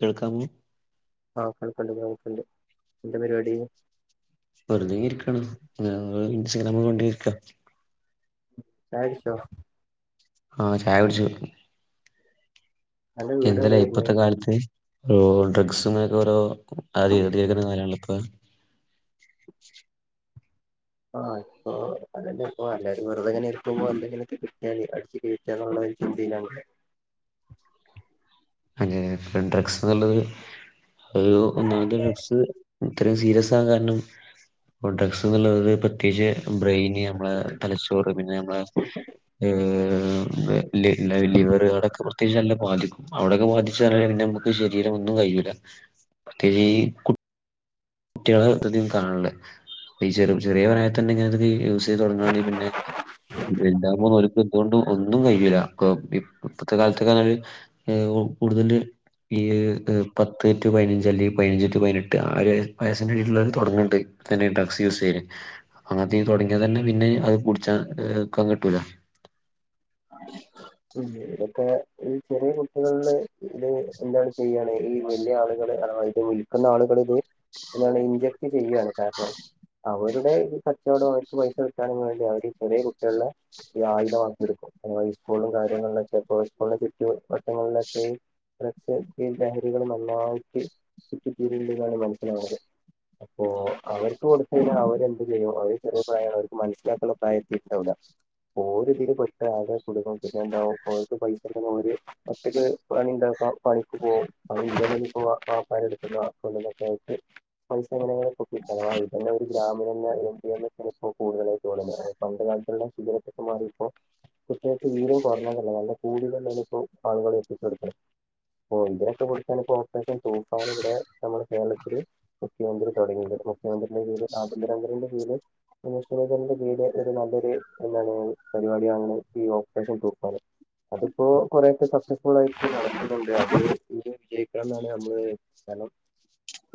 കേൾക്കാമോ ആഹ് കേൾക്കണ്ട് കേൾക്കണ്ട് എന്താ പരിപാടി വെറുതേ ഇരിക്കാണ് ഇങ്ങനോരോ ഇൻസ്റ്റഗ്രാമും കണ്ടിരിക്ക ചായ കുടിച്ചോ ആഹ് ചായ കുടിച്ചു അന്റെ വീട് എവിടെ എന്തലേ വരുന്നേ ഇപ്പത്തെ കാലത്ത് ഓ ഡ്രഗ്സ്ന്നെക്കോരോ ആദ്യായിട്ട് കേക്കുന്ന കാലാണല്ലോ ഇപ്പൊ ആഹ് ഇപ്പോ അതന്നെ ഇപ്പോ എല്ലാരും വെറുതെയിങ്ങനെ ഇരിക്കുമ്പോ എന്തെങ്കിലൊക്കെ കിട്ടിയാല് അടിച്ച് കേറ്റാനുള്ളൊരു ചിന്തയിലാണ് അതേയതേ ഇപ്പഴും ഡ്രഗ്സ്ന്ന്ള്ളത് ഒരു ഒന്നാന്തരഗ്സ് ഇത്രയും സീരിയസാകാൻ കാരണം ഒരു ഡ്രഗ്സ്ന്ന്ള്ളത് ഇപ്പ പ്രത്യേകിച്ച് ബ്രെയിന് നമ്മള തലച്ചോറ് പിന്നെ നമ്മള ഏഹ് ലെ ലൈ ലിവറുകളൊക്കെ പ്രത്യേകിച്ച് നല്ല ബാധിക്കും അവിടെയൊക്കെ ബാധിച്ചാല് പിന്നെയമുക്ക് ശരീരം ഒന്നും കഴിയൂല്ല പ്രത്യേകീ കുട്ട് കുട്ടികളട്ത്തധികോം കാണണെ ഈ ചെറു ചെറിയ പ്രായത്തന്നെ ഇങ്ങനെത്തൊക്കെ ഈ യൂസ് ചെയ്ത് തൊടങ്ങ്ആണെങ്കി പിന്നെ വല്താവുമ്പോ ഓല ബുദ്ധി കൊണ്ട് ഒന്നും കഴിയൂല കോ ടി ഇപ്പത്തെ കാലത്തൊക്കെ [unintelligible] ഏഹ് ഓ കൂടുതല് ഈയ് ത് പത്ത് ടു പയിനഞ്ചല്ലെങ്കി പയിനഞ്ച് ടു പയിനെട്ട് ആഹ് ഒരു വയസിന്റെ കീഴില്ള്ളോര് തൊടങ്ങണ്ട് തന്നേ ഡ്രഗ്സ് യൂസ് ചെയ്യല് ആദ്യം തൊടങ്ങിയാ തന്നെ പിന്നെ അത് പുടിച്ചാ അ [unintelligible] കിട്ടൂല [inaudible] ഉം ഇതൊക്കെ ഈ ചെറിയ കുട്ടികളില് ഇത് എന്താണ് ചെയ്യാണ് ഈ വല്ല്യാളുകള് അഥവാ ഇത് വിൽക്കുന്ന ആളുകളിത് എന്താണ് ഇഞ്ചക്ട് ചെയ്യാണ് കാരണം അവരുടെ ഈ കച്ചോടം അവര്ക്ക് പൈസ കിട്ടാനും വേണ്ടിയവര് ചെറിയ കുട്ടികളില് ഇതായുധമാക്കിയെടുക്കും നമ്മളെ ഇസ്കൂളിലും കാര്യങ്ങളിലൊക്കെ ഇപ്പൊ ഇസ്കൂളിന്റെ ചുറ്റു വട്ടങ്ങളിലൊക്കെ ഡ്രഗ്സ് ഈ ലഹരികള് നല്ലായിട്ട് ചുറ്റി തിരിയിണ്ട്ന്നാണ് മനസ്സിലാവണത് അപ്പോ അവര്ക്ക് കൊട്ത്ത് കഴിഞ്ഞാ അവരെന്ത് ചെയ്യും അവര് ചെറിയ പ്രായള്ളവര്ക്ക് മനസ്സിലാക്കാള്ള പ്രായെത്തീട്ട്ണ്ടാവൂല ഓരിതില് പെട്ടാകെ കുടുങ്ങും പിന്നെന്താവും ഓര്ക്ക് പൈസ കിട്ടാന് ഓര് ഒറ്റക്ക് പണിണ്ടാക്കാം പണിക്ക് പോ പണിയില്ലെങ്കിലിപ്പോവാ വാപ്പാടെട്ത്തുന്നോ കൊണ്ടൊന്നൊക്കായിട്ട് പൈസ എങ്ങനെലേക്കെ ഒപ്പിക്ക ഇതെന്നെ ഒരു ഗ്രാമിനന്നെ എം ഡി എംമ്മ് പ്പോ കൂടുതല് അതുപോലെന്നെ പണ്ട് കാൽത്ത്ള്ള സിഗറൻ്റൊക്കെ മാറിയപ്പൊ കൃത്യായിട്ട് വീണ്ടും പറഞ്ഞതല്ലേ നല്ല കൂടതല് ലിപ്പൊ ആളുകളൾ എത്തിച്ചെടുക്ക്ണം ഓഹ് ഇതിന്നൊക്കെ വേണ്ടിതന്നെ പ്പോ ഓപ്പറേഷൻ തൂഫാനിവിടെ നമ്മള് കേരളത്തില് മുഖ്യമന്ത്രി തൊടങ്ങിയത് മുഖ്യമന്ത്രിന്റെ പേര് ആഭ്യന്തരന്ത്രിന്റെ പേര് [unintelligible] ന്റെ വീട് ഒരു നല്ലൊരു എന്താണ് പരിപാടിയാണ് പ്പീ ഓപ്പറേഷൻ തൂഫാന് അത്പ്പോ കൊറെയൊക്കെ സക്സസ്ഫുളായിട്ട് നടക്കുന്ന്ണ്ട് അത് ഇനി വിജയിക്കണംന്നാണ് നമ്മളെ ഹലോ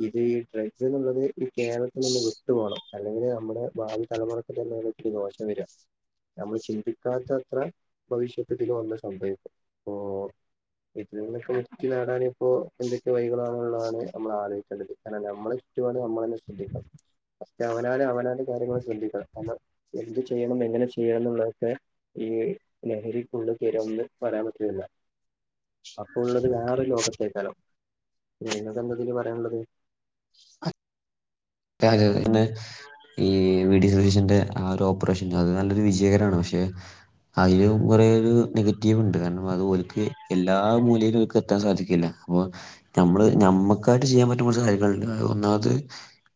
ഇത് ഈ ഡ്രഗ് ന്നുള്ളത് ഈ കേരളത്തിൽ നിന്ന് വിട്ട് പോണം അല്ലെങ്കില് നമ്മുടെ ബാവി തലമുറക് ഇത് ന്നെണിക്കി ദോശം വരാ നമ്മള് ചിന്തിപ്പി ക്കാത്തത്ര ഭവിഷ്യത്ത് ഇതില് വന്നാ സംഭവിക്കും പ്പോ ഇതിന്നിപ്പോ മുക്തി നേടാനിപ്പോ എന്തൊക്കെ വൈകളാണ്ള്ളാണ് നമ്മൾ ആലോയിക്കെണ്ടത് കാരണം നമ്മള് ചുറ്റുപാട് നമ്മളെന്നെ ശ്രദ്ധിക്കണം പറ്റിയ അവനാന് അവനാന് കാര്യങ്ങള് ശ്രദ്ധിക്കാ നമ്മള് എന്ത് ചെയ്യണം എങ്ങനെ ചെയ്യണം ന്ന്ള്ളൊക്കെ ഈ ലഹരി ഫുള്ള് തിരോംന്ന് പറയാൻ പറ്റൂന്നില്ല അപ്പൊ ഉള്ളത് വേറെര് ലോകത്തെയ്ക്കാലോ ഇതിനെ സംബന്ധിച്ച് പറയാന്ള്ളത് അതെയതെ പിന്നെ ഈ വി ഡി സതീഷൻ്റെ ആ ഒരു ഓപ്പറേഷൻ ല്ലേ അത് നല്ലൊരു വിജയകരാണ് പക്ഷെ അയിലും കുറെേയൊരു നെഗറ്റീവ്ണ്ട് കാരണം അത് ഓൽക്ക് എല്ലാ മൂലയിലും ഓൽക്ക് എത്താൻ സാധിക്കില്ല അപ്പൊ ഞമ്മള് ഞമ്മക്കായിട്ട് ചെയ്യാൻ പറ്റും കൊർച്ച് കാര്യങ്ങളുണ്ട് ഒന്നാംത്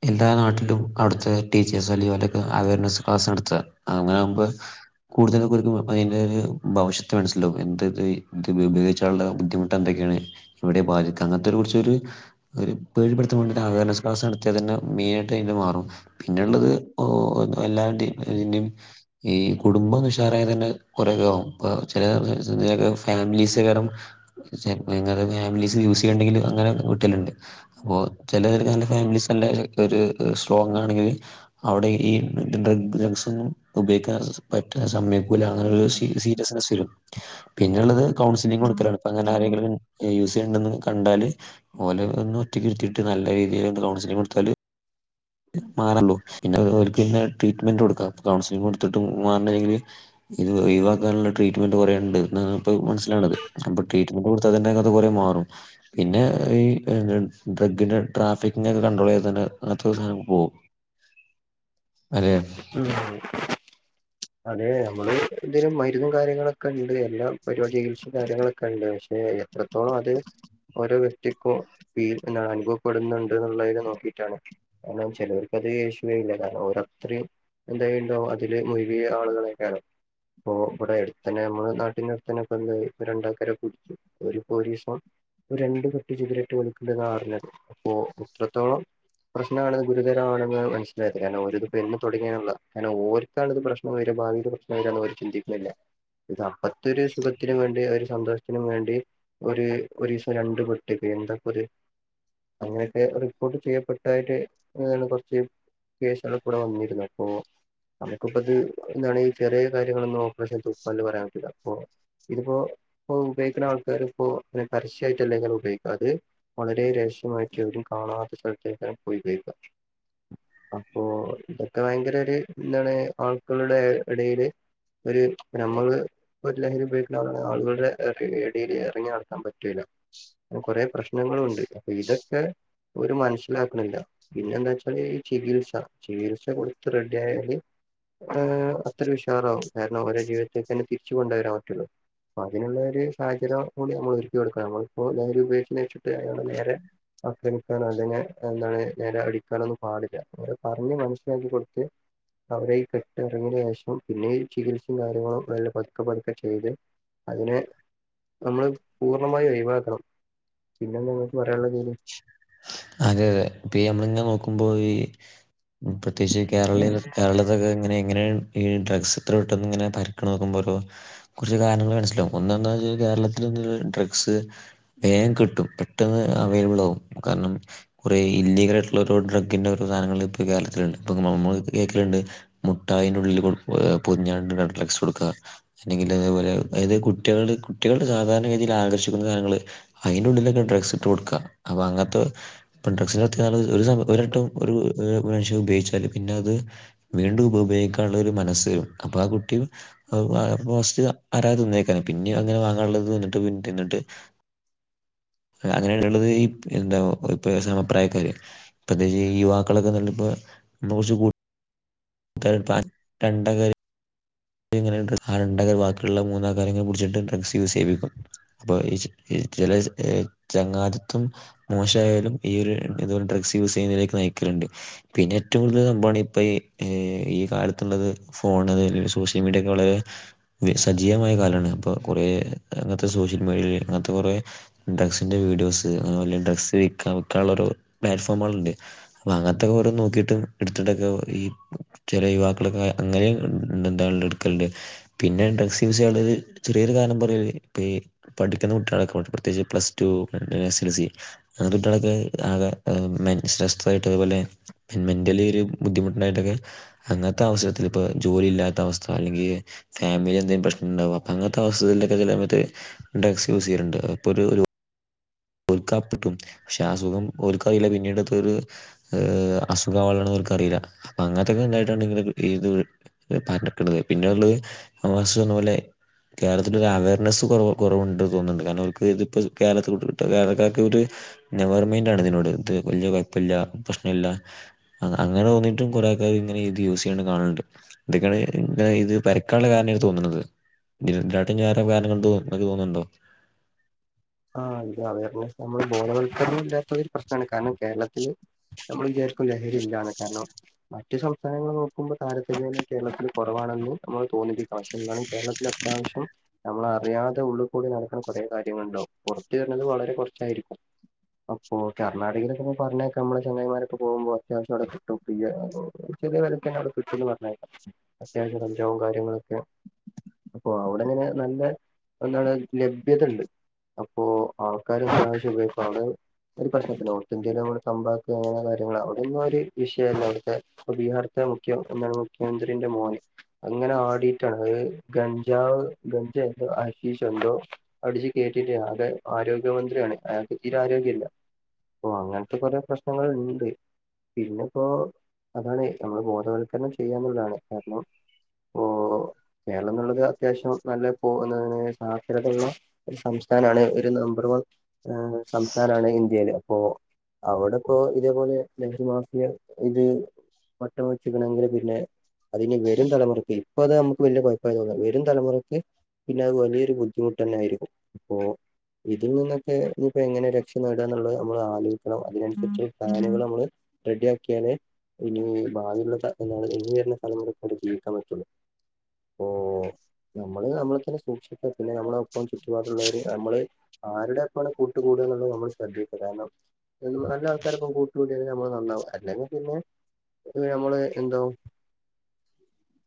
എല്ലാ നാട്ടിലും അവിട്ത്തെ ടീച്ചേഴ്സ് അല്ലേ ഓലൊക്കെ അവയർനെസ് ക്ലാസ്സ് നടത്താ അങ്ങനെ വുംമ്പോ കൂടുതലൊക്കെ ഓൽക്ക് അയിന്റെ ഒരു ഭവിഷ്യത്ത് മനസ്സിലാവും എന്താത് ത് ഉപയോഗിച്ചാള്ള ബുദ്ധിമുട്ട് ട്ടോ ന്തൊക്കെയാണ് എവിടെയാ ബാധിക്കാ അങ്ങൻത്തെ കുറിച്ചൊരു ഒരു പേടിപ്പെടുത്താൻ വേണ്ടിട്ട് അവെർനസ് ക്ലാസ് നടത്തിയാ തന്നെ മെയിനായിട്ട് അയിൻ്റെ മാറും പിന്നെള്ളത് ഓഹ് എല്ലാ ഡീൽ ൻ്റെം ഈ കുടുംബം ഒന്ന് ഉഷാറായ തന്നെ കൊറെകാവും പ്പോ ചെലെ ഫാമിലീസ് കാരം ചെൽപ്പങ്ങാനും ഫാമിലീസ് യൂസ്യ്യെണ്ടെങ്കില് അങ്ങനെ കിട്ടല്ണ്ട് ഇപ്പൊ ചെലെ ഒര് നല്ല ഫാമിലീസ് നല്ലെ ഒരു സ്ട്രോങ് ആണെങ്കില് അവിടെ ഈ ഡ്രഗ് ഡഗ്സൊന്നും ഉപയോഗിക്കാൻ പറ്റാ സമ്മയ്ക്കൂല ന്നുള്ള ഒരു സി ബിസിനസിലും പിന്നെള്ളത് കൗൺസിലിംഗ് ടുക്കലാണ് ഇപ്പ അങ്ങനെ ആരെങ്കിലും യൂസെയ്ണ്ട്ന്ന് കണ്ടാല് ഓലെ ഒന്ന് ഒറ്റക്കിരുത്തിയിട്ട് നല്ല രീതിയിലൊന്ന് കൗൺസിലിംങ്ങൊട്ത്താല് മാറള്ളൂ പിന്നെ ഓൽക്ക് ന്നെ ട്രീറ്റ്മെന്റ് കൊടുക്കാം കൗൺസിലിംങ്ങൊട്ത്തിട്ടും മാർണില്ലങ്കില് ഇത് ഒഴിവാക്കാൻള്ള ട്രീറ്റ്മെന്റ് കൊറെണ്ട് ന്നാണ് പ്പോ മൻസ്സിലാവ്ണത് പം ട്രീറ്റ് ഇതൊക്കൊ കൊടുത്താ തന്നെ ഇങ്ങത്തെ കുറെ മാറും പിന്നെ ഈ നെ ഡ്രഗിന്റെ ട്രാഫിക്നെ ക്കെ കണ്ട്രോളെയ്താന്നെ ങ്ങതെ ദിവസം പോവും അല്ലേ ഉം അതെ നമ്മള് ന്തേലും മര്ന്നും കാര്യങ്ങളെക്കെണ്ട് എല്ലാ പരിവാടി ചികിൽസിം കാര്യങ്ങളൊക്കെ ണ്ട് പക്ഷെ എത്രത്തോളം അത് ഓരോ വ്യക്തിക്കും ഫീൽ ന്നാണ് അനുഭവപ്പെടുന്ന്ണ്ട് ന്നെള്ളയില് നോക്കിയിട്ടാണ് കാര്ണം ചെലവർക്കത് ഏഷൂല്ലാ കാര്ണം ഓരത് ത്രീം എന്തായിണ്ടാവും അതില് മുഴ്കിയ ആള്കളെയ്ക്കാരം ഇപ്പോ ഇവിടെ എട്ത്തന്നെ നമ്മള് നാട്ടിന്റെ അടുത്തെന്നെ പ്പം ന്തായി രണ്ടാക്കാരെ പിട്ച്ചു ഒരു പോലീസും ഒരെണ്ട് പെട്ടി സിഗ്രറ്റ് വലിക്ക്ണ്ട്ന്നാ അർഞ്ഞത് അപ്പോ അത്രത്തോളം പ്രശ്നാണ് ഗുരുതരാണെന്നാണ് മൻസ്സിലായത് കാര്ണം ഓരിത് പിന്നെ തൊടങ്ങിയാൺല്ലോ കാര്ണം ഓര്ക്കാണ്ത് പ്രശ്നം വെരാ ഭാവീല് പ്രശ്‌നം വരാന്ന് ഓര് ചിന്തിക്ക്ണില്ല ഇത് അപ്പത്തെരു സുഖത്തിനും വേണ്ടി ഒരു സന്തോഷ്ത്തിനും വേണ്ടി ഒര് ഒരീസം രണ്ടു പെസട്ടിക്ക് എന്താ പ്പത് അങ്ങനെയൊക്കെ റിപ്പോർട്ട് ചെയ്യപ്പെട്ടായിട്ട് ഏ കുറച്ച് കേസുകളും കൂടെ വന്നിരുന്നു അപ്പൊ അവര്ക്കിപ്പത് എന്താണ് ചെറിയ കാര്യങ്ങളൊന്നും ഓപ്പറേഷൻ ചെ ഫോണിൽ പറയാൻ പറ്റില്ല അപ്പോ. ഇതിപ്പോ ഇപ്പ ഉപയോഗിക്കുന്ന ആൾക്കാര് ഇപ്പോ അ പരസ്യമായിട്ടട്ടലേ ഉപയോഗിക്ക്ണത്. വളരെ രഹസ്യമായിട്ട് ആരും കാണാത്ത സ്ഥലത്തേക്ക് പോയി ഉപയോഗിക്ക. അപ്പോ ഇതൊക്കെ ഭയങ്കര ഒരു ഇന്താണ് ആൾക്കുടെ ഇടയില് ഒരു നമ്മള് ഒരു ലഹരി ഉപയോഗിക്ക്ണ ആളു ആളുകളുടെ ഇടയ്ൽ ഇറങ്ങി നടക്കാൻ പറ്റൂല്ല. കൊറെേ പ്രശ്നങ്ങള് ഉണ്ട് അപ്പൊ ഇതൊക്കെ ഒര് മനസ്സിലാക്ക്ണില്ല പിന്നെ എന്താ വെച്ചാല് ചികിത്സ. ചികിത്സ കൊടുത്ത് റെഡി ആയല് ഏ അത്രയും ഉഷാറാവും കാരണം അവരെ ജീവിതത്തിലേക്ക്തന്നെ തിരിച്ച് കൊണ്ട് വരാൻ പറ്റല്ലോ? അതിനുള്ളൊരു സാഹചര്യം കൂടി നമ്മൾ ഒരുക്കി കൊടുക്കണം നമ്മളിപ്പോ നേര് ഉപയോഗിച്ച് വെച്ചിട്ട് അല്ലാതെ നേരെ ആക്രമിക്കാനോ അല്ലെങ്ങ എന്താണ് നേരെ അടിക്കാനൊന്നും പാടില്ല. പറഞ്ഞ് മനസ്സിലാക്കി കൊടുത്ത് അവരെ കെട്ടിറങ്ങിയന് ശേഷം പിന്നെ ചികിത്സയും കാര്യങ്ങളും മെല്ലെ പതുക്കെ പതുക്കെ ചെയ്ത്. അതിനെ നമ്മള് പൂർണമായി ഒഴിവാക്കണം പിന്നെ നിങ്ങൾക്ക് പറയാനുള്ള തീയില്. അതെ പിയമ് ഇങ്ങനെ നോക്കുമ്പോ ഈ മൂ പ്രത്യേകിച്ച് ഉം കേരള കേരളത്തിലൊക്കെ ഇങ്ങനെ എങ്ങനൊണ് ഈ ഡ്രഗ്സ്ത്ര പെട്ടൊന്ന് ഇങ്ങനെ പരിക്കണ് നോക്കുമ്പോഒരു കുറച്ച് കാര്യങ്ങൾ മനസ്സിലാവും ഒന്നന്താച്ചാൽ കേരളത്തിൽ ഒന്ന് ഡ്രഗ്സ്. വേമം കിട്ടും പെട്ടെന്ന് അവൈലബിൾ ആകും കാരണം. കുറേ ഇല്ലീഗല് ആയിട്ടുള്ള ഒരു ഡ്രഗ്ൻ്റെ ഓരോ സാധനങ്ങൾ ഇപ്പോ ഈ കേരളത്തിലുണ്ട് ഇപ്പ നമ്മൾ കേക്കലുണ്ട്. മുട്ടായിന്റെ ഉള്ളിൽ ഏ പൊതിഞ്ഞ്ക്കാണ്ട് കണ്ട്ലക്സ് കൊടുക്ക. അല്ലെങ്കിൽ അതുപോലെ അതായത് കുട്ടിആള് കുട്ടിആള് സാധാരണ കെതിയിൽ ആകർഷിക്കുന്ന ഞങ്ങള്. അതിന്റെ ഉള്ളിലൊക്കെ ഡ്രഗ്സ് ഇട്ട് കൊടുക്കാ അപ്പൊ അങ്ങനത്തെ ഇപ്പം ഡ്രഗ്സ് നടത്തിയആൾ ഒരു ഒരുവട്ടം ഒരു മനുഷ്യൻ ഉപയോഗിച്ചാൽ പിന്നെ അത്. വീണ്ടും ഉപ ഉപയോഗിക്കാനുള്ള ഒരു മനസ്സ് അപ്പൊ ആ കുട്ടി. ഫസ്റ്റ് അരാ തിന്നേയ്ക്കാര പിന്നിം അങ്ങനെ വാങ്ങാനുള്ളത്ട്ട് പിന്നെ തിന്നിട്ട്. അങ്ങനെയെ ഇട്ടാന്ട്ടത് ഈ എന്താ ഇപ്പ സമപ്രായക്കാര് ഇപ്പത്തെ ഈ യുവാക്കളൊക്കെ നല്ലപ്പോ മോശ് കൂ [unintelligible] രണ്ടകറി ണ്ട് ആണ്ടകർ ബാക്കിയുള്ള മൂന്നാൾ കാരെങ്ങളെ പിടിച്ചിട്ട് ഡ്രഗ്സ് യൂസ് ചെയിപിക്കാ. അപ്പൊ ഈ സ് ചില ചങ്ങാതിത്തം. മോശമായാലും ഈ ഒരു ഇതുപോലെ ഡ്രഗ്സ് യൂസ് ചെയ്യുന്നതിലെക്ക് നയിക്കലുണ്ട്. പിന്നെ ഏറ്റവും കൂടുതൽ സംഭവാണ് ഇപ്പൊഈ ഈ കാലത്തുള്ളത് ഫോൺ വെരൽ സോഷ്യൽ മീഡിയൊക്കെ വളരെ സജീവമായ കാലമാണ് ഇപ്പൊ കുറെ അങ്ങനത്തെ സോഷ്യൽ മീഡിയയിൽ അങ്ങനത്തെ കുറെ ഡ്രഗ്സിന്റെ വീഡിയോസ് അതുപോലെ ഡ്രഗ്സ്നുള്ളരോ പ്ലാറ്റ്ഫോമുകളുണ്ട്. അങ്ങത്തൊക്കെഓരോ നോക്കിയിട്ട് എടുത്തിട്ടൊക്കെ ഈ ചെറിയ യുവാക്കളൊക്കെ അങ്ങനെയും എന്താണ്ട് ഇടുക്കലുണ്ട്. പിന്നെ ഡ്രഗ്സ് യൂസ് ചെയ്യാനുള്ളത് ചെറിയൊരു കാരണം പറയളത് ഇപ്പ ഈ പഠിക്കുണ കുട്ടികളൊക്കെ പ്രത്യേകിച്ച് plus two, S L C അങ്ങനത്തെ കുട്ടികളൊക്കെ ആകെ ഹെ മെ ശ്രെസായിട്ട് അതുപോലെ മെന്റലി ഒരു ബുദ്ധിമുട്ടുണ്ടായിട്ടൊക്കെ അങ്ങനത്തെ അവസരത്തിൽ ഇപ്പ ജോലി ഇല്ലാത്ത അവസ്ഥ അല്ലെങ്കിൽ ഈ ഫാമിലി എന്തങ്കിലും പ്രശ്നം ഉണ്ടാവും അപ്പൊ അങ്ങനത്തെ അവസ്ഥകളിൽ ഒക്കെ ചില സമയത്ത് ഡ്രെക്സ് ക്സ് യൂസ് ചെയ്ത്ണ്ട് അപ്പൊ ഒരു ഒൽക്കാപ്പെട്ടും പക്ഷെ ആ സുഖം ഓൽക്കാറില്ല പിന്നീടത്ത് ഒരു. ഹെ അസുഖം ആവാളതാണ് ഓൽക്കറീല്ല അങ്ങ [inaudible] ണ്ടായിട്ടാണ് ഇത് പറഞ്ഞക്കുന്നത് പിന്നെള്ളത് ഒവാസ്ന്ന് പോലെ. കേരളത്തില ഒരു അവയർനെസ് കൊറവ് കൊറവുണ്ട് തോന്നുന്നുണ്ട് കാരണം അവർക്ക് ഇതിപ്പോ കേരളത്തില്ട്ട കേരളക്കാർക്കൊരു നെവർമെയ്ന്റ് ആണ് ഇതിനോട് ഇത് വലിയ കൊഴപ്പില്ല പ്രശ്നല്ല അങ്ങനെ തോന്നിയിട്ടും കൊറെേ അതത് ഇങ്ങനെ ഇത് യൂസ് ചെയ്യണത് കാണുന്നുണ്ട് ഇതൊക്കെയാണ് ഇനെ ഇത് പരക്കാനുള്ള കാരണയി തോന്നുന്നത് [unintelligible] വേറെ കാരണം ഉണ്ടോന്നൊക്ക തോന്നുന്നുണ്ടോ? ആഹ് ഇത് അവരെ കുറിച്ച് നമ്മള് ബോധവൽക്കരണം ഇല്ലാത്തരു പ്രശ്നമാണ് കാരണം കേരളത്തില്- നമ്മൾ വിചാരിക്കും ലഹരി ഇല്ല്യാന്ന് കാരണം- മറ്റു സംസ്ഥാനങ്ങള് നോക്കുമ്പോൾ താരതമ്യേന കേരളത്തിന് കുറവാണല്ലോ എന്ന് തോന്നിപ്പി - പക്ഷെ ഇന്നും കേരളത്തിൽ അത്യാവശ്യം നമ്മൾ അറിയാതെ ഉള്ളിൽ കൂടി നടക്കാൻ കൊറെ കാര്യങ്ങളുണ്ടാവും പുറത്തു വരുന്നത് വളരെ കൊറച്ചായിരിക്കും അപ്പൊ ഓ കർണാടകയിലൊക്കെപ്പൊ പർഞ്ഞേക്കമ്മളെ ചങ്ങായിമാരൊക്കെ പോകുമ്പോ അത്യാവശ്യം അവിടെ കിട്ടും. ഫ്രീയായി ചെറിയ വെലക്കന്നവ്ടെ കിട്ടുംന്ന് പറഞ്ഞായ് അത്യാവശ്യം കഞ്ചാവും കാര്യങ്ങളൊക്കെ അപ്പൊ അവിടെ അങ്ങനെ നല്ല എന്താണ് ലഭ്യതണ്ട് അപ്പോ- ആൾക്കാര് ഒരു പ്രാവശ്യം ഉപയോഗിക്കാണ് ഒരു പ്രശ്നം അല്ല നോർത്തിന്ത്യയിലോ തമ്പാക്ക് അങ്ങനെ കാര്യങ്ങ അവിടെന്നും ഒരു വിഷയല്ല അവിടുത്തെ അപ്പൊ ബീഹാർത്തെ മുഖ്യ എന്താണ് മുഖ്യമന്ത്രിന്റെ മോനെ അങ്ങനെ ആടിയിട്ടാണ് അത് ഗഞ്ജാവ് ഗഞ്ജ എന്തോ അഷീഷോ എന്തോ അടിച്ചു കേറ്റിട്ടേ അത് ആരോഗ്യമന്ത്രിയാണ് അയക്ക് തീരെ ആരോഗ്യല്ല ഓ അങ്ങനത്തെ കൊറെ പ്രശ്നങ്ങള്ണ്ട് പിന്നെപ്പോ അതാണ് നമ്മള് ബോധവൽക്കരണം ചെയ്യാന്നുള്ളതാണ് കാരണം ഓഹ്.. കേരളം എന്നുള്ളത് അത്യാവശ്യം നല്ല സാധ്യതയള്ള ഒരു സം- സംസ്ഥാനാണ് ഒരു നമ്പർ വൺ സംസ്ഥാനാണ് ഇന്ത്യല് അപ്പോ- അവിടെപ്പോ ഇതേപോലെ ലഹരിമാഫിയ ഇത്- വട്ട വച്ചിക്കണെങ്കില് പിന്നെ അതിനി വരും തലമുറക്ക് ഇപ്പൊ അത് നമുക്ക് വലിയ കുഴപ്പായി തോന്നില്ല വരും തലമുറക്ക് പിന്നെത് വലിയൊരു ബുദ്ധിമുട്ടന്നെ യായിരിക്കും അപ്പോ ഇതിൽ നിന്നൊക്കെ ഇനിപ്പോ എങ്ങനെ രക്ഷ നേടാം എന്നുള്ളത് നമ്മൾ ആലോചി - ണം അതിനനുസരിച്ചുള്ള ഫാനുകൾ നമ്മള് റെഡിയാക്കിയാലേ ഇനി ഭാവിയുള്ള ഇനി വരുന്ന തലമുറക്കടെ ജീവിക്കാൻ പറ്റുള്ളൂ ഓഹ് നമ്മള് നമ്മളെ തന്നെ സൂക്ഷിച്ചാ പിന്നെ നമ്മളൊപ്പം മറ്റുള്ളവര് നമ്മള് ആരുടെ ഒപ്പാണ് കൂട്ട് കൂട എന്നുള്ളത് നമ്മൾ ശ്രദ്ധിക്ക കാരണം- നല്ല ആൾക്കാരപ്പ കൂട്ടകൂടിയാല് നമ്മൾ നന്നാവും അല്ലെങ്കിൽ പിന്നെ ഇവിടെ നമ്മള് എന്താവും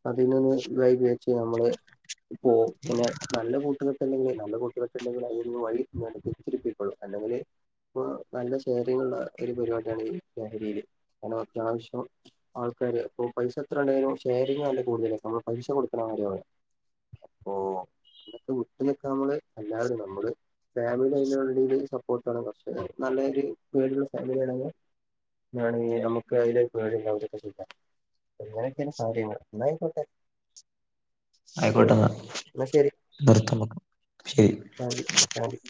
അതിൽ നിന്ന് വഴി പിഴച്ച് നമ്മള് പൊ [inaudible] നല്ല കൂട്ടുകെട്ടല്ലെങ്കിൽ നല്ല കൂട്ടുകെട്ടല്ലെങ്കിൽ അതിന്ന് വഴി തിരിച്ചരിപ്പിക്കോളൂ അല്ലെങ്കിൽ ഇപ്പ നല്ല ഷെയറിങ്ങുള്ള ഒരു പരിപാടിയാണ് ലഹരിയില് കാരണം അത്യാവശ്യം ആൾക്കാര് അപ്പൊ പൈസ എത്ര വേണേലും ഷെയറിംഗ് ഉണ്ട് കൂടുതലായി നമ്മൾ പൈസ കൊടുക്കുന്ന കാര്യ അപ്പോ അതൊക്കെ വിട്ട് നമ്മള് എല്ലാവരും നമ്മള് ഫാമിലി അയിറ്റുള്ളില് ഫോട്ടോണ് കുറച്ച് നല്ല രീതിയിൽ വീടുള്ള സൈഡാണെങ്കി ണെ നമുക്ക് അതില പേടില്ല അവിക്ക അങ്ങനൊക്കെണ് കാര്യങ്ങള് എന്നായിക്കോട്ടെ! ആയിക്കോട്ടെന്നാ എന്നാ നിർത്താമ്മക്ക് ശരി താങ്ക്യൂ താങ്ക്യൂ